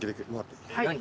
はい。